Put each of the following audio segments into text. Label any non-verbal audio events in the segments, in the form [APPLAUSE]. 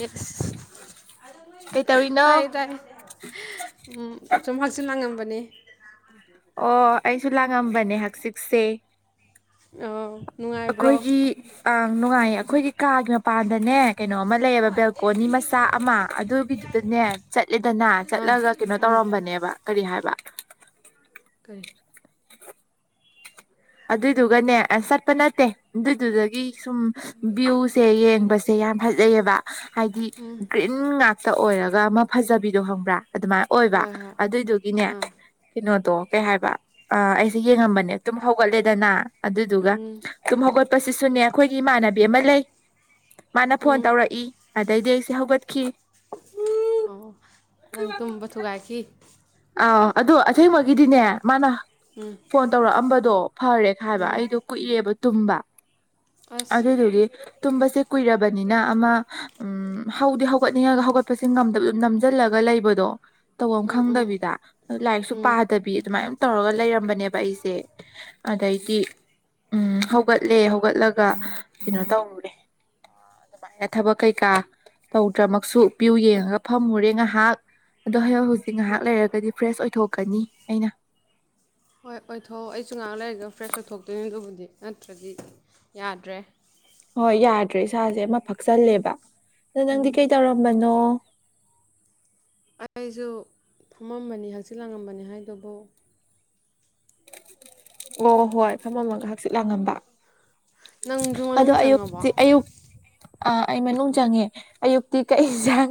ꯑꯦꯁ ꯀꯩꯇꯧꯔꯤꯅꯣ ꯇꯥꯏ ꯇꯥꯏ ꯆꯨꯝꯍꯥꯛꯁꯨ ꯂꯥꯡꯉꯝꯕꯅꯦ ꯑꯣ ꯑꯩꯁꯨ ꯂꯥꯡꯉꯝꯕꯅꯦ ꯍꯛꯆꯤꯛꯁꯦ ꯑ ꯑꯩꯈꯣꯏꯒꯤ ꯑꯪ ꯅꯨꯡꯉꯥꯏ ꯑꯩꯈꯣꯏꯒꯤ ꯀꯥꯒꯤ ꯃꯄꯥꯟꯗꯅꯦ ꯀꯩꯅꯣ ꯑꯃ ꯂꯩꯌꯦꯕ ꯕꯦꯜꯀꯣꯅꯤ ꯃꯆꯥ ꯑꯃ ꯑꯗꯨꯒꯤꯗꯨꯗꯅꯦ ꯆꯠꯂꯦꯗꯅ ꯑꯥ ꯆꯠꯂꯒ ꯀꯩꯅꯣ ꯇꯧꯔ ꯎꯝ ꯌꯥꯧꯔꯝꯕꯅꯦꯕ ꯀꯔꯤ ꯍꯥꯏꯕ ꯀꯔꯤ ꯑꯗꯨꯏꯗꯨꯒꯅꯦ ꯑꯁ ꯆꯠꯄ ꯅꯠꯇꯦ ꯑꯗꯨꯏꯗꯨꯗꯒꯤ ꯁꯨꯝ ꯚ꯭ꯌꯨꯁꯦ ꯌꯦꯡꯕꯁꯦ ꯌꯥꯝ ꯐꯖꯩꯑꯕ ꯍꯥꯏꯗꯤ ꯎꯝ ꯒ꯭ꯔꯤꯟ ꯉ ꯇ ꯑꯣꯏꯔꯒ ꯑꯃ ꯐꯖꯕꯤꯗꯣ ꯍꯪꯕ꯭ꯔꯥ ꯑꯗꯨꯃꯥꯏꯅ ꯑꯣꯏꯕ ꯍꯣꯏ ꯍꯣꯏ ꯑꯗꯨꯏꯗꯨꯒꯤꯅꯦ ꯑꯥ ꯀꯩꯅꯣ ꯑꯗꯣ ꯀꯩ ꯍꯥꯏꯕ ꯑ ꯑꯩꯁꯦ ꯌꯦꯡꯉꯝꯕꯅꯦ ꯑꯗꯨꯝ ꯍꯧꯒꯠꯂꯦꯗꯅ ꯑꯗꯨꯗꯨꯒ ꯎꯝ ꯇꯨꯝ ꯍꯧꯒꯠꯄꯁꯤꯁꯨꯅꯦ ꯑꯩꯈꯣꯏꯒꯤ ꯏꯃꯥꯟꯅꯕꯤ ꯑꯃ ꯂꯩ ꯃꯥꯅ ꯐꯣꯟ ꯎꯝ ꯇꯧꯔꯛꯏ ꯑꯗꯩꯗꯤ ꯑꯩꯁꯦ ꯍꯧꯒꯠꯈꯤ ꯑꯣ ꯅꯪ ꯇꯨꯝꯕ ꯊꯨꯒꯥꯏꯈꯤ ꯑꯥ ꯑꯗꯨꯗꯣ ꯑꯁꯦꯡꯕꯒꯤꯗꯤꯅꯦ ꯃꯥꯅ ꯎꯝ ꯐꯣꯟ ꯇꯧꯔꯛꯑꯝꯕꯗꯣ ꯐꯔꯦ ꯈꯥꯏꯕ ꯎꯝ ꯑꯩꯗꯣ ꯀꯨꯏꯑꯦꯕ ꯇꯨꯝꯕ ꯑꯁ ꯑꯗꯨꯗꯨꯗꯤ ꯇꯨꯝꯕꯁꯦ ꯀꯨꯏꯔꯕꯅꯤꯅ ꯑꯃ ꯎ ꯍꯧꯗꯤ ꯍꯧꯒꯠꯅꯤꯡꯉꯒ ꯍꯧꯒꯠꯄꯁꯦ ꯅꯝꯁꯤꯜꯂꯒ ꯂꯩꯕꯗꯣ ꯇ ꯎꯝ ꯎꯝ ꯈꯪꯗꯕꯤꯗ ꯂꯥꯏꯔꯤꯛꯁꯨ ꯎꯝ ꯄꯥꯗꯕꯤ ꯑꯗꯨꯃꯅ ꯇꯧꯔꯒ ꯂꯩꯔꯝꯕꯅꯦꯕ ꯑꯩꯁꯦ ꯑꯗꯩꯗꯤ ꯎꯝ ꯍꯧꯒꯠꯂꯦ ꯍꯧꯒꯠꯂꯒ ꯀꯩꯅꯣ ꯇꯧꯔꯨꯔꯦ ꯑꯗꯨꯃꯥꯏꯅ ꯊꯕꯛ ꯀꯩꯀꯥ ꯇꯧꯗ꯭ꯔꯃꯛꯁꯨ ꯄ꯭ꯌꯨ ꯌꯦꯡꯉꯒ ꯐꯝꯃꯨꯔꯦ ꯉꯥꯏꯍꯥꯛ ꯍ ꯍꯨꯁꯤꯛ ꯉꯍꯥꯛ ꯂꯩꯔꯦ ꯑꯣꯏꯊꯣꯛꯀꯅꯤ ꯑꯩꯅ ꯍꯣꯏ ꯑꯣꯏꯊꯣꯛꯑꯣ ꯑꯩꯁꯨ ꯉꯥꯛ ꯂꯩꯔꯒ ꯐ꯭ꯔꯦꯁ ꯑꯣꯏꯊꯣꯛꯇꯣꯏꯅꯦ ꯑꯗꯨꯕꯨꯗꯤ ꯅꯠꯇ꯭ꯔꯗꯤ ꯌꯥꯗ꯭ꯔꯦ ꯍꯣꯏ ꯌꯥꯗ꯭ꯔꯦ ꯏꯁꯥꯁꯦ ꯑꯃ ꯐꯛꯆꯜꯂꯦꯕ ꯑꯗꯣ ꯅꯪꯗꯤ ꯎꯝ ꯀꯩ ꯇꯧꯔꯝꯕꯅꯣ ꯑꯩꯁꯨ ꯐꯝꯃꯝꯕꯅꯤ ꯍꯛꯆꯤꯜ ꯂꯥꯡꯉꯝꯕꯅꯤ ꯍꯥꯏꯗꯨꯕꯨ ꯑꯣ ꯍꯣꯏ ꯐꯝꯃꯒ ꯍꯛꯆꯤꯠ ꯂꯥꯡꯉꯝꯕ ꯅꯪꯁꯨ ꯑꯗꯣ ꯃꯅꯨꯡ ꯆꯪꯉꯕꯣ ꯑꯌꯨꯛꯇꯛꯇꯤ ꯑꯌꯨꯛ ꯑꯥ ꯑꯩ ꯃꯅꯨꯡ ꯆꯪꯉꯦ ꯑꯌꯨꯛꯇꯤ ꯀꯩ ꯏꯟꯁꯥꯡ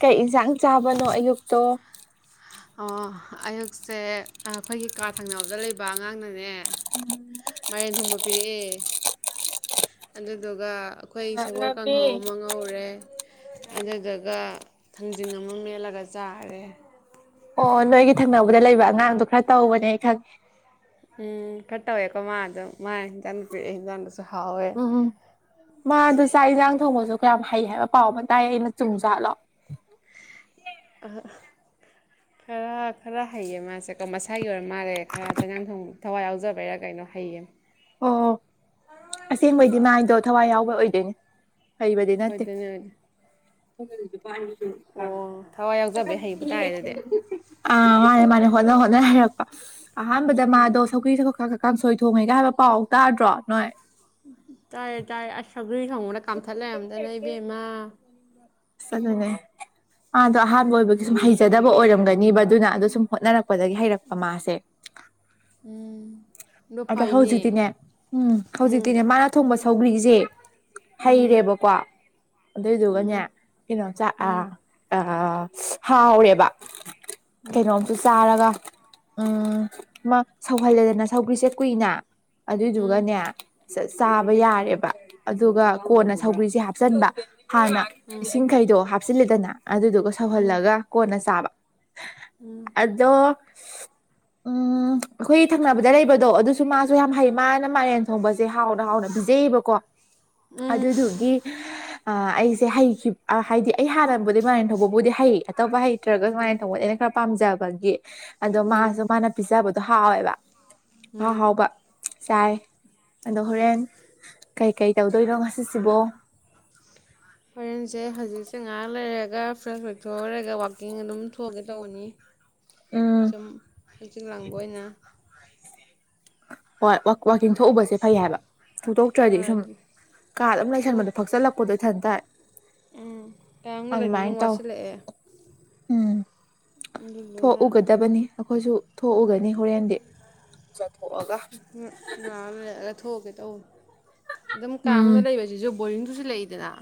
ꯀꯩ ꯌꯦꯟꯁꯥꯡ ꯆꯥꯕꯅꯣ ꯑꯌꯨꯛꯇꯣ [UNINTELLIGIBLE] ꯑꯣ ꯑꯌꯨꯛꯁꯦ ꯑꯩꯈꯣꯏꯒꯤ ꯀꯥꯔ ꯊꯪꯅꯕꯗ ꯂꯩꯕ ꯑꯉꯥꯡꯅꯅꯦ ꯃꯔꯦꯟ ꯊꯣꯡꯕ ꯄꯤꯔꯛꯑꯦ ꯑꯗꯨꯗꯨꯒ ꯑꯩꯈꯣꯏ ꯁꯦꯒꯣꯜ ꯅꯛꯅꯕꯤ ꯀꯥꯡꯍꯧ ꯑꯃ ꯉꯧꯔꯦ ꯑꯗꯨꯗꯨꯒ ꯊꯥꯡꯖꯤꯡ ꯑꯃ ꯃꯦꯠꯂꯒ ꯆꯥꯔꯦ ꯑꯣ ꯅꯣꯏꯒꯤ ꯊꯪꯅꯕꯗ ꯂꯩꯕ ꯑꯉꯥꯡꯗꯣ ꯈꯔ ꯇꯧꯕꯅꯦ ꯈꯪꯉꯦ ꯎꯝ ꯈꯠꯇ ꯑꯣꯏꯀꯣ ꯃꯥꯗ ꯃꯥ ꯆ ꯎꯝ ꯎꯝ ꯃꯥ ꯑꯗꯨ ꯆꯥꯛ ꯏꯟꯖꯥꯡ ꯊꯣꯡꯃꯁꯨ ꯀꯌꯥꯝ ꯍꯩ ꯍꯥꯏꯕ ꯄꯥꯎ ꯑꯃ ꯇꯥꯏ ꯑꯩꯅ ꯆꯨꯝꯖꯥꯠꯂꯣ ꯑ ꯈꯔ ꯈꯔ ꯍꯩꯌꯦ ꯃꯥꯁꯦꯀꯣ ꯃꯁꯥꯒꯤ ꯑꯣꯏꯔ ꯃꯥꯜꯂꯦ ꯈꯔ ꯆꯉꯡ ꯊꯣꯡ ꯊꯋꯥꯏ ꯌꯥꯎꯖꯕꯩꯔꯥ ꯀꯩꯅꯣ ꯍꯩꯌꯦ ꯑꯣ ꯑꯁꯦꯡꯕꯩꯗꯤ ꯃꯥꯏꯗꯣ ꯊꯋꯥꯏ ꯌꯥꯎꯕ ꯑꯣꯏꯗꯣꯏꯅꯦ ꯍꯩꯕꯗ ꯅꯠꯇꯦ ꯍꯣꯏꯗꯨꯅꯦ ꯑꯣ ꯊꯋꯥꯏ ꯌꯥꯎꯖꯕ ꯍꯩꯕ ꯇꯥꯔꯦ ꯑꯗꯨꯗꯤ ꯑ ꯃꯥꯥꯟꯅꯦ ꯃꯥꯅꯦ ꯍꯣꯠꯅ ꯍꯣꯠꯅ ꯍꯩꯔꯛꯄ ꯑꯍꯥꯟꯕꯗ ꯃꯥꯗꯣ ꯁꯧꯒ꯭ꯔꯤ ꯁꯥ ꯀꯀ ꯁꯣꯏ ꯊꯣꯡꯉꯦꯒ ꯍꯥꯏꯕ ꯄꯥꯎ ꯇꯥꯗ꯭ꯔꯣ ꯅꯣꯏ ꯭ꯔꯨꯏ ꯊꯣꯡꯕꯗ ꯀꯥꯝꯊꯠ ꯗꯒꯤ ꯂꯩꯔꯝꯗꯅ ꯏꯕꯦꯝꯃ ꯆꯖꯅꯦ ꯃꯥꯗꯣ ꯑꯍꯥꯟꯕ ꯑꯣꯏꯕꯒꯤ ꯁꯨꯝ ꯍꯩꯖꯗꯕ ꯑꯣꯏꯔꯝꯒꯅꯤꯕ ꯑꯗꯨꯅ ꯑꯗꯣ ꯁꯨꯝ ꯍꯣꯠꯅꯔꯛꯄꯗꯒꯤ ꯍꯩꯔꯛꯄ ꯃꯥꯁꯦ ꯑꯗ ꯍꯧꯖꯤꯛꯇꯤꯅꯦ ꯎꯝ ꯍꯧꯖꯤꯛꯇꯤꯅꯦ ꯃꯥꯅ ꯊꯣꯡꯕꯁ ꯊꯧꯒ꯭ꯔꯤꯁꯦ ꯍꯩꯔꯦꯕꯀꯣ ꯑꯗꯨꯏꯗꯨꯒꯅꯦ ꯀꯩꯅꯣ ꯆ ꯑ ꯍꯥꯎꯔꯦꯕ ꯀꯩꯅꯣꯝꯁꯨ ꯆꯥꯔꯒ ꯎꯝ ꯃꯥ ꯁꯧꯍꯜꯂꯦꯗꯅ ꯁꯧꯒ꯭ꯔꯤꯁꯦ ꯀꯨꯏꯅ ꯑꯗꯨꯏꯗꯨꯒꯅꯦ ꯆꯥꯕ ꯌꯥꯔꯦꯕ ꯑꯗꯨꯒ ꯀꯣꯟꯅ ꯁꯧꯕꯧꯤꯁꯦ ꯍꯥꯞꯆꯤꯟꯕ ꯍꯥꯟꯅ ꯏꯁꯤꯡꯈꯩꯗꯣ ꯍꯥꯞꯆꯤꯜꯂꯦꯗꯅ ꯑꯗꯨꯗꯨꯒ ꯁꯧꯍꯜꯂꯒ ꯀꯣꯟꯅ ꯆꯥꯕ ꯑꯗꯣ ꯎꯝ ꯑꯩꯈꯣꯏ ꯊꯪꯅꯕꯗ ꯂꯩꯕꯗꯣ ꯑꯗꯨ ꯁ ꯃꯥꯁꯨ ꯌꯥꯝ ꯍꯩ ꯃꯥꯅ ꯃꯥꯏꯔꯦꯟ ꯊꯣꯡꯕꯁꯦ ꯍꯥꯎꯅ ꯍꯥꯎꯅ ꯄꯤꯖꯩꯑꯕꯀꯣ ꯑꯗꯨꯗꯨꯒꯤ ꯑ ꯑꯩꯁꯦ ꯍꯩꯈꯤꯕ ꯍꯥꯏꯗꯤ ꯑꯩ ꯍꯥꯟꯅꯝꯕꯗꯤ ꯃꯔꯦꯟ ꯊꯧꯕꯕꯨꯗꯤ ꯍꯩ ꯑꯇꯣꯞꯄ ꯍꯩ ꯅꯠꯇ꯭ꯔꯒ ꯁꯨꯃꯥꯏꯅ ꯇꯧꯕꯅꯦ ꯑꯩꯅ ꯈꯔ ꯄꯥꯝꯖꯕꯒꯤ ꯑꯗꯣ ꯃꯥꯁꯨ ꯃꯥꯅ ꯄꯤꯖꯕꯗꯣ ꯍꯥꯎꯋꯦꯕ ꯑꯥꯎꯍꯥꯎꯕ ꯆꯥꯏ ꯑꯗꯣ ꯍꯣꯔꯦꯟ ꯀꯩ ꯀꯩ ꯇꯧꯗꯣꯏꯅꯣ ꯉꯁꯤꯁꯤꯕꯣ ꯍꯣꯔꯦꯟꯁꯦ ꯍꯧꯖꯤꯛꯁꯦ ꯉꯥꯏꯥꯛ ꯂꯩꯔꯦꯒ ꯐ꯭ꯔꯦꯁ ꯑꯣꯏꯊꯔꯒ ꯋꯥꯛꯀꯤꯡ ꯑꯗꯨꯝ ꯊꯣꯛꯑꯒꯦ ꯇꯧꯕꯅꯤ ꯎꯝ ꯁꯨꯝ ꯍꯆꯤ ꯂꯥꯡꯕ ꯑꯣꯏꯅ ꯍꯣꯏ ꯋꯥꯀꯋꯥ ꯍꯤꯡꯊꯣꯛꯎꯕꯁꯦ ꯐꯩ ꯍꯥꯏꯕ ꯊꯨꯇꯣꯛꯇ꯭ꯔꯗꯤ ꯍꯣꯏ ꯁꯨꯝ ꯑꯗꯨ ꯀꯥ ꯑꯗꯨꯝ ꯂꯩꯁꯟꯕꯗꯣ ꯐꯛꯆꯜꯂꯛꯄꯗꯣ ꯏꯊꯟ ꯇꯥꯏ ꯎꯝ ꯇꯒ ꯂꯩꯗꯅ ꯑꯗꯨꯝ ꯇꯧ ꯋꯥꯁꯤꯜꯂꯛꯑꯦ ꯎꯝ ꯊꯣꯛꯎꯒꯗꯕꯅꯤ ꯑꯩꯈꯣꯏꯁꯨ ꯊꯣꯛꯎꯒꯅꯤ ꯍꯣꯔꯦꯟꯗꯤ ꯆꯠꯊꯣꯛꯑꯒ ꯎ ꯂꯒ ꯊꯣꯛꯑꯒꯦ ꯇꯧ ꯑꯗꯨꯝ ꯀꯥꯝꯒ ꯎꯝ ꯂꯩꯕꯁꯤꯁꯨ ꯣꯂꯤꯅ ꯂꯩꯗꯅ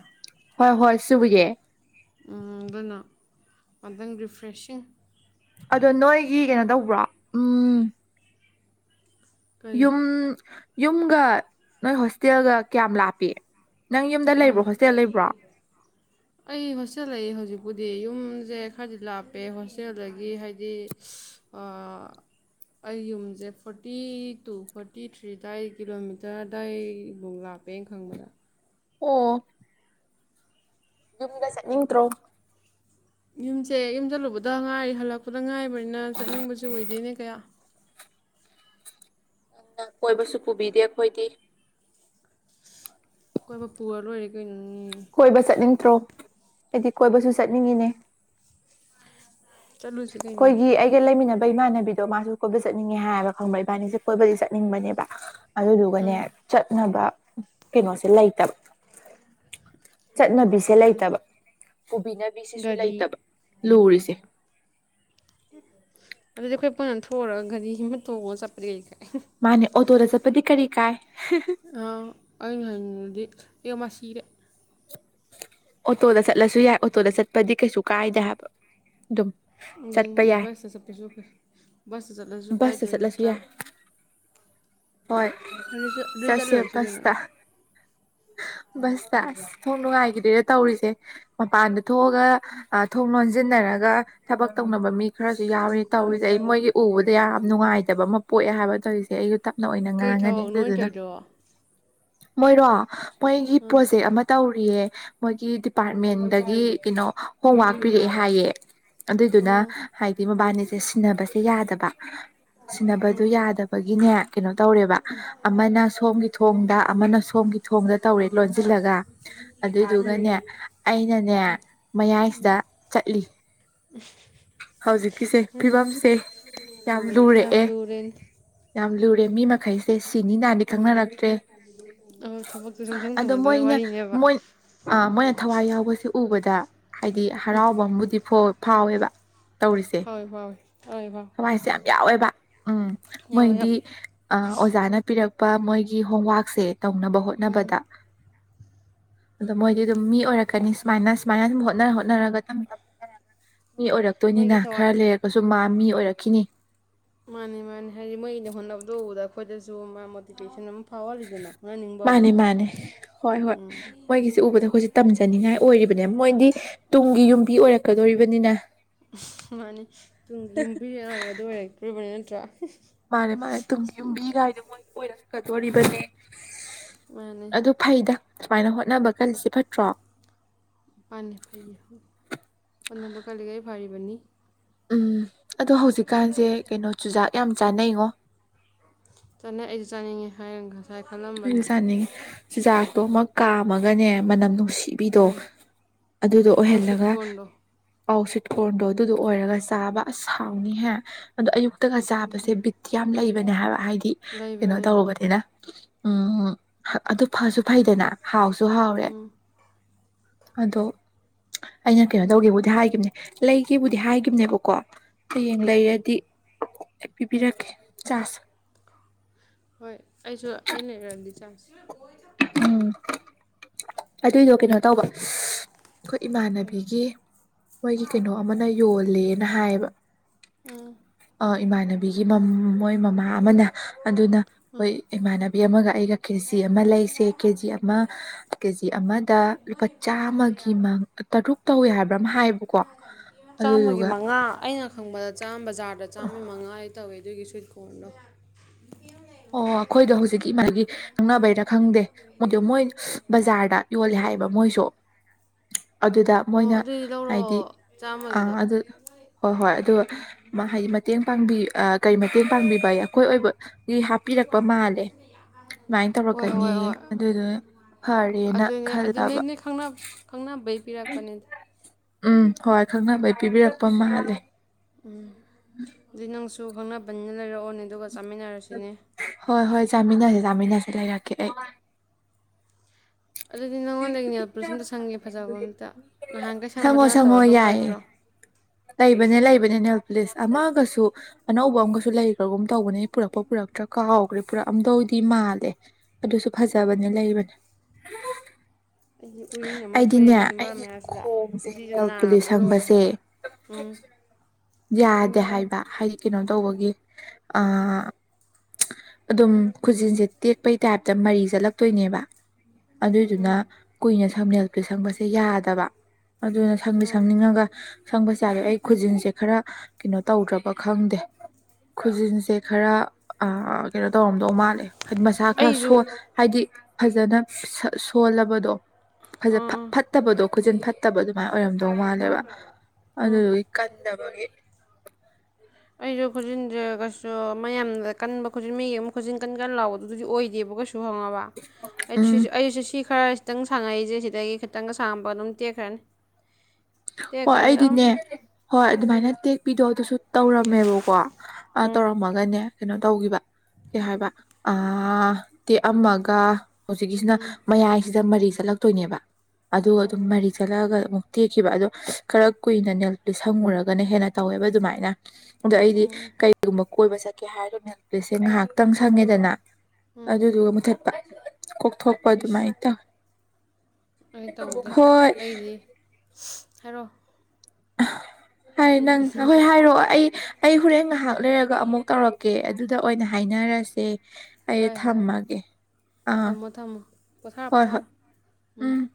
ꯍꯣꯏ ꯍꯣꯏ ꯁꯨꯕꯒꯤꯦ ꯑꯗꯨꯅ ꯇꯪ ꯔꯤꯐ꯭ꯔꯦꯁꯤꯡ ꯑꯗꯣ ꯅꯣꯏꯒꯤ ꯀꯩꯅꯣ ꯇꯧꯕ꯭ꯔꯣ ꯎꯝ ꯀꯔꯤ ꯌꯨꯝ ꯌꯨꯝꯒ ꯅꯣꯏ ꯍꯣꯁꯇꯦꯜꯒ ꯀꯌꯥꯝ ꯂꯥꯞꯄꯤ ꯅꯪ ꯌꯨꯝꯗ ꯑ ꯂꯩꯕ꯭ꯔꯣ ꯍꯣꯁꯇꯦꯜ ꯂꯩꯕ꯭ꯔꯣ ꯑꯩ ꯍꯣꯁꯇꯦꯜꯂꯑꯦ ꯍꯧꯖꯤꯛꯄꯨꯗꯤ ꯌꯨꯝ ꯁꯦ ꯈꯔꯗꯤ ꯂꯥꯞꯄꯦ ꯍꯣꯁꯇꯦꯜꯗꯒꯤ ꯍꯥꯏꯗꯤ ꯑꯩ ꯌꯨꯝꯁꯦ ꯐꯣꯔꯇꯤ ꯇꯨ ꯐꯣꯔꯇꯤ ꯊ꯭ꯔꯤꯗ꯭ꯋꯥꯏ ꯀꯤꯂꯣꯃꯤꯇꯔꯗꯥ꯭ꯏꯒꯕꯨꯂꯥꯛ ꯍꯥꯄꯦ ꯈꯪꯕꯗ ꯑꯣ ꯌꯨꯝꯗ ꯆꯠꯅꯤꯡꯠꯇ꯭ꯔꯣ ꯌꯨꯝꯁꯦ ꯌꯨꯝ ꯆꯜꯂꯨꯕꯗ ꯉꯥꯏꯔꯤ ꯍꯜꯂꯛꯄꯗ ꯉꯥꯏꯕꯅꯤꯅ ꯆꯠꯅꯤꯡꯕꯁꯨ ꯑꯣꯏꯗꯦꯅꯦ ꯀꯌꯥ ꯅꯅ ꯀꯣꯏꯕꯁꯨ ꯄꯨꯕꯤꯗꯦ ꯑꯩꯈꯣꯏꯗꯤ ꯑꯩꯣꯏꯕ ꯄꯨꯔ ꯂꯣꯏꯔꯦ ꯀꯣꯏ ꯀꯣꯏꯕ ꯆꯠꯅꯤꯡꯗ꯭ꯔꯣ ꯑꯩꯗꯤ ꯀꯣꯏꯕꯁꯨ ꯆꯠꯅꯤꯡꯉꯤꯅꯦ ꯆꯠꯂꯨꯁꯤ ꯀꯩꯅꯣ ꯑꯩꯈꯣꯏꯒꯤ ꯑꯩꯒ ꯂꯩꯃꯤꯟꯅꯕ ꯏꯃꯥꯟꯅꯕꯤꯗꯣ ꯃꯥꯁꯨ ꯀꯣꯏꯕ ꯆꯠꯅꯤꯡꯉꯦ ꯍꯥꯏꯕ ꯈꯪꯕ ꯏꯕꯥꯅꯤꯁꯦ ꯀꯣꯏꯕꯗꯤ ꯆꯠ ꯆꯠꯅꯤꯡꯕꯅꯦꯕ ꯑꯗꯨꯗꯨꯒꯅꯦ ꯎꯝ ꯆꯠꯅꯕ ꯀꯩꯅꯣꯁꯦ ꯂꯩꯇꯕ ꯆꯠꯅꯕꯤꯁꯦ ꯆꯠꯂꯨ ꯂꯩꯇꯕ ꯄꯨꯕꯤꯅꯕꯤꯁꯤꯁꯨ ꯒꯥꯔꯤ ꯂꯩꯇꯕ ꯂꯔꯤꯁꯦ ꯑꯗꯨꯗꯤ ꯑꯩꯈꯣꯏ ꯄꯨꯅ ꯊꯣꯛꯑꯒ ꯘꯔꯤ ꯑꯃ ꯇꯣꯡꯉꯒ ꯆꯠꯄꯗꯤ ꯀꯔꯤ ꯈꯔ ꯃꯥꯅꯦ ꯑꯣꯇꯣꯗ ꯆꯠꯄꯗꯤ ꯀꯔꯤ ꯀꯥꯏ ꯑꯥ ꯑ ꯍꯗꯤ ꯑꯦ ꯃꯁꯤ ꯁꯤꯔꯦ ꯑꯣꯇꯣꯗ ꯆꯠꯂꯁꯨ ꯌꯥꯏ ꯑꯣꯇꯣꯗ ꯆꯠꯄꯗꯤ ꯀꯩꯁꯨ ꯀꯥꯏꯗ ꯍꯥꯏꯕ ꯑꯗꯨꯝ ꯆꯠꯄ ꯎ ꯌꯥꯏ ꯕꯁꯇ ꯆꯠꯄꯁꯨ ꯕꯁꯇ ꯆꯠꯂꯁꯨ ꯕꯁꯇ ꯀꯥꯏꯗꯦ ꯆꯠꯂꯁꯨ ꯅꯠꯇ꯭ꯔꯥ ꯌꯥꯏ ꯍꯣꯏ ꯑꯗꯨ ꯆꯠ ꯑꯗꯨ ꯆꯠꯁꯦ ꯆꯠꯂꯨꯔꯁꯤ ꯀꯩꯅꯣ ꯄꯥꯁꯇꯥ ꯕꯁꯇ ꯑꯁ ꯊꯣꯡ ꯅꯨꯡꯉꯥꯏꯈꯤꯗꯦꯔ ꯇꯧꯔꯤꯁꯦ ꯃꯄꯥꯟꯗ ꯊꯣꯛꯑꯒ ꯊꯣꯡ ꯂꯣꯟꯁꯤꯟꯅꯔ ꯊꯕꯛ ꯇꯧꯅꯕ ꯃꯤ ꯈꯔꯁꯨ ꯌꯥꯎ ꯇꯧꯔꯤꯁꯦ ꯑꯩ ꯃꯣꯏꯒꯤ ꯎꯕꯗ ꯌꯥꯝ ꯅꯨꯡꯉꯥꯏꯇꯕ ꯑꯃ ꯄꯣꯛꯑꯦ ꯍꯥꯏꯕ ꯇꯧꯔꯤꯁꯦ ꯑꯩꯁꯨ ꯇꯞꯅ ꯑꯣꯏꯅ ꯀꯩ ꯉꯥꯡꯉꯅꯤ ꯊꯕꯛꯅꯣ ꯑꯣꯏꯅ ꯑꯗꯨꯗꯨꯅ ꯇꯧꯔꯤꯗꯣ ꯑꯥ ꯃꯣꯏꯔꯣ ꯃꯣꯏꯒꯤ ꯄ꯭ꯔꯣꯖꯦꯛ ꯑꯃ ꯇꯧꯔ ꯄꯌꯦ ꯃꯣꯏꯒꯤ ꯗꯤꯄꯥꯔꯠꯃꯦꯟꯗꯒꯤ ꯀꯩꯅꯣ ꯍꯣꯝꯋꯔꯛ ꯄꯤꯔꯛꯑꯦ ꯍꯥꯏꯌꯦ ꯑꯗꯨꯏꯗꯨꯅ ꯑꯥ ꯍꯥꯏꯗꯤ ꯃꯣꯕꯥꯏꯜꯅꯤꯁꯦ ꯁꯤꯟꯅꯕꯁꯦ ꯌꯥꯗꯕ ꯑꯥ ꯁꯤꯟꯅꯕꯗꯨ ꯎꯝ ꯌꯥꯗꯕꯒꯤꯅꯦ ꯀꯩꯅꯣ ꯇꯧꯔꯦꯕ ꯑꯃꯅ ꯁꯣꯝꯒꯤ ꯊꯣꯡꯗ ꯑꯃꯅ ꯁꯣꯝꯒꯤ ꯊꯣꯡꯗ ꯇꯧꯔꯦ ꯂꯣꯟꯁꯤꯜꯂꯒ ꯑꯗꯨꯗꯨꯒꯅꯦ ꯑꯩꯅꯅꯦ ꯃꯌꯥꯏꯁꯤꯗ ꯆꯠꯂꯤ ꯎ ꯍꯧꯖꯤꯛꯀꯤꯁꯦ ꯐꯤꯕꯝꯁꯦ ꯌꯥꯝ ꯌꯥꯝ ꯂꯨꯔꯛꯑꯦ ꯂꯨꯔꯦ ꯌꯥꯝ ꯂꯨꯔꯦ ꯃꯤꯃꯥꯏꯁꯦ ꯁꯤ ꯑꯣ ꯑꯗꯣ ꯃꯣꯏꯅ ꯃꯣꯏ ꯑ ꯃꯣꯏꯅ ꯊꯋꯥꯏ ꯌꯥꯎꯕꯁꯦ ꯎꯕꯗ ꯍꯥꯏꯗꯤ ꯎꯝ ꯍꯔꯥꯎꯕ ꯑꯃꯕꯨꯗꯤ ꯐꯥꯎꯋꯦꯕ ꯇꯧꯔꯤꯁꯦ ꯍꯣꯏ ꯍꯣꯏ ꯍꯣꯏ ꯐ ꯊꯋꯥꯏꯁꯦ ꯌꯥꯝ ꯌꯥꯎꯋꯦꯕ ꯎꯝ ꯃꯣꯏꯗꯤ ꯑꯣꯖꯥꯅ ꯄꯤꯔꯛ ꯑ ꯃꯣꯏꯒꯤ ꯍꯣꯝꯋꯥꯔꯛꯁꯦ ꯇꯧꯅꯕ ꯎꯝ ꯍꯣꯠꯅꯕꯗ ꯑꯗꯣ ꯃꯣꯏꯗꯤ ꯑꯗꯨꯝ ꯃꯤ ꯑꯣꯏꯔꯛꯀꯅꯤ ꯁꯨꯃꯥꯏꯅ ꯁꯨꯃꯥꯏꯅ ꯑꯗꯨꯝ ꯍꯣꯠꯅꯔ ꯍꯣꯠꯅꯔꯒꯝ ꯍꯣꯠꯅꯔꯒ ꯃꯤ ꯑꯣꯏꯔꯛꯇꯣꯏꯅꯤꯅ ꯃꯣꯏꯒꯤ ꯊꯋꯥꯏ ꯈꯔ ꯂꯩꯔꯒꯁꯨ ꯃꯥ ꯃꯤ ꯑꯣꯏꯔꯛꯈꯤꯅꯤ ꯃꯥꯅꯤ ꯃꯥꯅꯤ ꯍꯥꯏꯗꯤ ꯃꯩꯅ ꯍꯣꯠꯅꯕꯗ ꯎꯧꯕꯗ ꯑꯩꯈꯣꯏꯗꯁꯨ ꯃꯥ ꯃꯣꯇꯤꯚꯦꯁꯟ ꯑꯗꯨꯝ ꯃꯥꯅꯦ ꯃꯥꯅꯦ ꯍꯣꯏ ꯍꯣꯏ ꯎꯝ ꯃꯣꯏꯒꯤꯁꯦ ꯎꯕꯗ ꯑꯩꯈꯣꯏꯁꯦ ꯇꯝꯖꯅꯤꯡꯉꯥꯏ ꯑꯣꯏꯔꯤꯕꯅꯦ ꯃꯣꯏꯗꯤ ꯇꯨꯡꯒꯤ ꯌꯨꯝꯕꯤ ꯑꯣꯏꯔꯛꯀꯗꯣꯔꯤꯕꯅꯤꯅ ꯃꯥꯅꯤ ꯇꯨꯡꯒꯤ ꯌꯨꯝꯕꯤꯔꯂꯕ ꯑꯗꯨ ꯑꯣꯏꯔꯛꯇꯣꯔꯤꯕꯅꯤ ꯅꯠꯇ꯭ꯔꯥ ꯃꯥꯅꯦ ꯃꯥꯅꯦ ꯌꯨꯝꯕꯤꯒꯥꯏꯗꯣꯏ ꯑꯣꯏꯔꯛꯀꯗꯣꯔꯤꯕꯅꯤ ꯃꯥꯅꯦ ꯑꯗꯨ ꯐꯩꯗ ꯁꯨꯃꯥꯏꯅ ꯍꯣꯠꯅꯕ ꯀꯜꯂꯤꯁ ꯐꯠꯇ꯭ꯔꯣ ꯄ ꯐꯩꯌꯦꯦ ꯑꯅ ꯄ ꯀ ꯂꯩꯒꯩ ꯐꯥꯔꯤꯕꯅꯤ ꯎꯝ ꯑꯗꯣ ꯍꯧꯖꯤꯛꯀꯥꯟꯁꯦ ꯀꯩꯅꯣ ꯆꯨꯖꯥꯛ ꯌꯥꯝ ꯆꯥꯅꯩꯉꯣ ꯆꯠꯅ ꯑꯩꯗꯤ ꯆꯥꯅꯤꯡꯉꯦ ꯍꯥꯏꯔꯒ ꯀ ꯆꯥꯅꯤꯡꯉꯤ ꯆꯤꯟꯖꯥꯛꯇꯣ ꯑꯃ ꯀꯥꯝꯃꯒꯅꯦ ꯃꯅꯝ ꯅꯨꯡꯁꯤ ꯇꯤꯚꯤꯗꯣ ꯎꯝ ꯑꯗꯨꯗꯣ ꯑꯃ ꯁ꯭ꯋꯤꯠ ꯑꯣꯏꯍꯜꯂꯒ ꯀꯣꯔꯟꯗꯣ ꯄꯥꯎ ꯁꯤꯠꯀꯣꯟꯗꯣ ꯑꯗꯨꯗꯣ ꯑꯣꯏꯔꯒ ꯆꯥꯕ ꯑꯁ ꯁꯥꯎꯅꯤꯍꯦ ꯑꯗꯣ ꯑꯌꯨꯛꯇ ꯛꯇꯒ ꯑꯗꯨꯁꯨ ꯆꯥꯕꯁꯦ ꯕꯤꯠ ꯌꯥꯝ ꯂꯩꯕꯅꯦ ꯍꯥꯏꯕ ꯍꯥꯏꯗꯤ ꯂꯩꯕ ꯀꯩꯅꯣ ꯂꯩꯕ ꯇꯧꯔꯨꯔꯕꯅꯤꯅ ꯎꯝ ꯑꯗꯨ ꯐꯁꯨ ꯐꯩꯗꯅ ꯍꯥꯎꯁꯨ ꯍꯥꯎꯔꯦ ꯎꯝ ꯑꯗꯣ ꯑꯩꯅ ꯀꯩꯅꯣ ꯇꯧꯒꯦꯕꯨꯗꯤ ꯍꯥꯏꯈꯤꯕꯅꯦ ꯂꯩꯒꯕꯨꯗꯤ ꯍꯥꯏꯒꯤꯈꯤꯕꯅꯦꯕꯀꯣ ꯍꯌꯦꯡ ꯎꯝ ꯂꯩꯔꯗꯤ ꯄꯤꯕꯤꯔꯛꯀꯦ ꯆꯥꯖ ꯍꯣꯏ ꯑꯩꯁꯨ ꯑ ꯂꯩꯔꯗꯤ ꯆꯥꯔꯖ ꯎꯝ ꯑꯗꯨ ꯇꯏ ꯌ ꯀꯅꯍ ꯇꯧꯕ ꯑꯩꯈꯣꯏ ꯏꯃꯥꯟꯅꯕꯤꯒꯤ ꯃꯣꯏꯒꯤ ꯀꯩꯅꯣ ꯑꯃꯅ ꯌꯣꯂꯦ ꯍꯥꯏꯌꯦꯕ ꯎꯝ ꯏꯃꯥꯟꯅꯕꯤꯒꯤ ꯃ ꯃꯣꯏ ꯃꯃꯥ ꯑꯃꯅ ꯑꯗꯨꯅ ꯎꯝ ꯃꯣꯏ ꯏꯃꯥꯟꯅꯕꯤ ꯑꯃꯒ ꯑꯩꯒ ꯀꯦꯔꯆ ꯑꯃ ꯂꯩ ꯁꯦ ꯀꯦ ꯖꯤ ꯑꯃ ꯀꯦ ꯖꯤ ꯑꯃꯗ ꯂꯨꯄꯥ ꯆꯥꯝꯃꯒꯤ ꯃꯥꯡ ꯇꯔꯨꯛ ꯇꯧꯋꯦ ꯍꯥꯏꯕ꯭ꯔꯥ ꯑꯃ ꯍꯥꯏꯌꯦꯕꯀꯣ ꯆꯥꯝꯃꯒꯤ ꯑꯗꯨꯗꯨꯒ ꯃꯉꯥ ꯑꯩꯅ ꯈꯪꯕꯗꯥ ꯕꯖꯥꯔꯗ ꯆꯥꯝꯃꯒꯤ ꯃꯉꯥ ꯍꯥꯏ ꯇꯧ ꯑꯣꯏꯗꯣꯏꯒꯤ ꯁ ꯀꯣꯟꯅꯣ ꯑꯣ ꯑꯩꯈꯣꯏꯗꯣ ꯍꯧꯖꯤꯛꯀꯤ ꯃꯥꯒꯤ ꯈꯪꯅꯕꯩꯔ ꯈꯪꯗꯦ ꯃꯗꯣ ꯃꯣꯏ ꯕꯖꯥꯔꯗ ꯌꯣꯜꯂꯦ ꯍꯥꯏꯌꯦꯕ ꯃꯣꯏꯁꯨ [UNINTELLIGIBLE] ꯑꯗꯨꯗ ꯑꯣ ꯃꯣꯏꯅ ꯑꯗꯨꯗꯤ ꯍꯥꯏꯗꯤ ꯂꯧꯔꯛꯑꯣ ꯑꯥ ꯆꯥꯝꯃꯒꯤꯗꯣ ꯑꯗꯨ ꯍꯣꯏ ꯍꯣꯏ ꯑꯗꯨꯒ ꯍꯥꯏꯗꯤ ꯃꯇꯦꯡ ꯄꯥꯡꯕꯤ ꯀꯔꯤ ꯃꯇꯦꯡ ꯄꯥꯡꯕꯤꯕ ꯑꯩꯈꯣꯏ ꯑꯣꯏꯕ ꯍꯥꯞꯄꯤꯔꯛꯄ ꯃꯥꯜꯂꯦ ꯁꯨꯃꯥꯏꯅ ꯍꯣꯏ ꯇꯧꯔꯛꯀꯅꯤ ꯍꯣꯏ ꯍꯣꯏ ꯑꯗꯨꯗꯨ ꯑꯗꯨꯅꯦ ꯑꯗꯨꯅꯦꯅꯦ ꯈꯪꯅꯕꯩ ꯄꯤꯔꯛꯄꯅꯦꯗ ꯎꯝ ꯍꯣꯏ ꯈꯪꯅꯕꯩ ꯄꯤꯕꯤꯔꯛꯄ ꯃꯥꯜꯂꯦ ꯎꯝ ꯑꯗꯨꯩ ꯅꯪꯁꯨ ꯈꯪꯅꯕꯅꯤꯅ ꯂꯩꯔꯛꯑꯣꯅꯦ ꯑꯗꯨꯒ ꯆꯥꯃꯤꯟꯅꯔꯁꯤꯅꯦ ꯍꯣꯏ ꯍꯣꯏ ꯆꯥꯃꯤꯟꯅꯁꯦ ꯆꯥꯃꯤꯟꯅꯁꯦ ꯂꯩꯔꯛꯀꯦ ꯑꯩ ꯑꯗꯨꯗꯤ ꯅꯪꯉꯣꯟꯗꯒꯤ ꯅꯦꯜ ꯄꯨꯂꯤꯁ ꯑꯝꯇ ꯁꯪꯒꯦ ꯐꯖꯕ ꯑꯝꯇ ꯅꯍꯥꯟꯈꯩ ꯊꯃꯣ ꯁꯪꯕꯗꯣ ꯅꯠꯇꯕ ꯁꯃꯣ ꯑꯇꯣꯞꯄ ꯌꯥꯏ ꯂꯩꯇ꯭ꯔꯣ [UNINTELLIGIBLE] ꯂꯩꯕꯅꯦ ꯂꯩꯕꯅꯦ ꯅꯦꯜ ꯄꯨꯂꯤꯁ ꯑꯃꯒꯁꯨ ꯑꯅꯧꯕ ꯑꯃꯒꯁꯨ ꯂꯩꯈ꯭ꯔꯒꯨꯝ ꯇꯧꯕꯅꯦ ꯄꯨꯔꯛꯄ ꯄꯨꯔꯛꯄ ꯈ꯭ꯔ ꯀꯥꯎꯈ꯭ꯔꯦ ꯄꯨꯔꯥ ꯑꯝꯗ ꯑꯣꯏꯗꯤ ꯃꯥꯜꯂꯦ ꯑꯗꯨꯁꯨ ꯐꯖꯕꯅꯤ ꯂꯩꯕꯅꯤ ꯑꯩꯁꯦ ꯎꯔꯤꯪ ꯑꯃ ꯊꯣꯛꯑꯦꯕ ꯆꯤꯝꯕꯥ ꯃꯌꯥꯁꯤꯗ ꯈꯣꯡꯁꯦ ꯄꯨꯟꯁꯤꯁꯨ ꯅꯦꯜ ꯄꯨꯂꯤꯁ ꯅꯥꯕꯗ ꯂꯣꯏꯔꯦ ꯁꯪꯕꯁꯦ ꯍꯥꯏꯕ ꯎꯝ ꯌꯥꯗꯦ ꯍꯥꯏꯔꯣ ꯍꯥꯏꯕ ꯍꯥꯏꯗꯤ ꯀꯩꯅꯣ ꯇꯧꯕꯒꯤ ꯑ ꯑꯗꯨꯝ ꯈꯨꯖꯤꯟꯁꯦ ꯇꯦꯛꯄꯩ ꯇꯥꯏꯞꯇ ꯃꯔꯤ ꯆꯠꯂꯛꯇꯣꯏꯅꯦꯕ ꯑꯗꯨꯏꯗꯨꯅ ꯎꯝ ꯀꯨꯏꯅ ꯁꯝꯅꯦꯦꯜ ꯄꯦꯁꯪꯕꯁꯦ ꯌꯥꯗꯕ ꯑꯗꯨꯅ ꯁꯪꯗꯤ ꯑꯣ ꯁꯪꯅꯤꯡꯉꯒ ꯁꯪꯕ ꯆꯥꯗꯦ ꯑꯩ ꯈꯨꯖꯤꯟꯁꯦ ꯈꯔ ꯀꯩꯅꯣ ꯇꯧꯗ꯭ꯔꯕ ꯈꯪꯗꯦ ꯈꯨꯖꯤꯟꯁꯦ ꯈꯔ ꯀꯩꯅꯣ ꯇꯧꯔꯝꯗꯧ ꯃꯥꯜꯂꯦ ꯍꯥꯏꯗꯤ ꯃꯁꯥ ꯈꯔ ꯑꯩꯁꯨ ꯁꯣ ꯍꯥꯏꯗꯤ ꯐꯖꯅ ꯁꯣꯜꯂꯕꯗꯣ ꯐꯖ ꯑꯥ ꯑꯥ ꯐꯠꯇꯕꯗꯣ ꯈꯨꯖꯤꯟ ꯐꯠꯇꯕꯗꯣ ꯁꯃꯥꯏꯅ ꯑꯣꯏꯔꯝꯗꯧ ꯃꯥꯜꯂꯦꯕ ꯍꯣꯏ ꯎꯝ ꯑꯗꯨꯗꯨꯒꯤ ꯀꯟꯗꯕꯒꯤ ꯑꯩꯁꯨ ꯈꯣꯖꯤꯟꯒꯦꯁꯨ ꯃꯌꯥꯝꯗ ꯀꯟꯕ ꯈꯨꯖꯤꯟ ꯃꯤꯒꯤ ꯑꯃꯛ ꯈ ꯈꯨꯖꯤꯟ ꯀꯟꯒ ꯂꯥꯎꯕꯗꯨꯗꯤ ꯑꯣꯏꯗꯦꯕ ꯀꯩꯁꯨ ꯎꯝ [UNINTELLIGIBLE] ꯈꯔ ꯈꯤꯇꯪ ꯁꯥꯡꯉꯛꯏꯁꯦ ꯁꯤꯗꯒꯤ ꯈꯤꯇꯪꯒ ꯁꯥꯡꯝꯕ ꯑꯗꯨꯝ ꯇꯦꯛꯈ꯭ꯔꯅꯤ ꯍꯣꯏ ꯇꯦꯛꯈ꯭ꯔꯅꯤ ꯑꯗꯨꯝ ꯑꯩꯗꯤꯅꯦ ꯍꯣꯏ ꯑꯗꯨꯃꯥꯏꯅ ꯇꯦꯛꯄꯤꯗꯣ ꯑꯗꯨꯁꯨ ꯇꯧꯔꯝꯃꯦꯕꯀꯣ ꯎꯝ ꯇꯧꯔꯝꯃꯒꯅꯦ ꯀꯩꯅꯣ ꯇꯧꯈꯤꯕ ꯀꯩ ꯍꯥꯏꯕ ꯑ ꯇꯦꯛꯑ ꯑꯃꯒ ꯍꯧꯖꯤꯛꯀꯤꯁꯤꯅ ꯎꯝ ꯃꯌꯥꯏꯁꯤꯗ ꯃꯔꯤ ꯆꯠꯂꯛꯇꯣꯏꯅꯦꯕ ꯑꯗ ꯑꯗꯨꯝ ꯑꯣ ꯃꯔꯤ ꯆꯠꯂꯛꯑꯒ ꯑꯃꯨꯛ ꯈꯤꯕ ꯑꯗꯣ ꯈꯔ ꯀꯨꯏꯅ ꯅꯛꯇꯨ ꯁꯪꯉꯨꯔꯒꯅ ꯍꯦꯟꯅ ꯇꯧꯋꯦꯕ ꯑꯗꯨꯃꯥꯏꯅ ꯑꯗꯣ ꯑꯩꯗꯤ ꯎꯝ ꯀꯩꯒꯨꯝꯕ ꯀꯣꯏꯕ ꯆꯠꯀꯦ ꯍꯥꯏꯔꯅꯦꯦꯜ ꯄꯁꯦ ꯉꯥꯏꯍꯥꯛꯇꯪ ꯁꯪꯉꯦꯗꯅ ꯎꯝ ꯑꯗꯨꯗꯨꯒ ꯃꯨꯊꯠꯄ ꯀꯣꯛꯊꯣꯛꯄ ꯏꯁ ꯑꯗꯨꯃꯥꯏꯅ ꯇꯧꯋ ꯑꯩ ꯇꯧꯗꯦ ꯑꯩꯗꯤ ꯍꯥꯏꯔꯣꯑꯣ ꯍꯥꯏ ꯅꯪ ꯑꯩꯣꯏ ꯍꯥꯏꯔꯛꯑꯣ ꯑꯩ ꯑꯩ ꯍꯣꯔꯦꯟ ꯉꯥꯏꯍꯥꯛ ꯂꯩꯔꯒ ꯑꯃꯨꯛ ꯇꯧꯔꯛꯀꯦ ꯑꯗꯨꯗ ꯑꯣꯏꯅ ꯍꯥꯏꯅꯔꯁꯦ ꯑꯩ ꯍꯣꯏ ꯍꯣꯏ ꯊꯝꯃꯒꯦ ꯑꯥ ꯊꯝꯃꯣ ꯊꯝꯃꯣ ꯄꯊꯥꯔ ꯍꯣꯏ ꯄꯊꯥ ꯍꯣꯏ ꯎꯝ